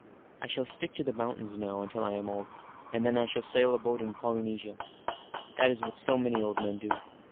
I shall stick to the mountains now until I am old, and then I shall sail a boat in Polynesia. That is what so many old men do.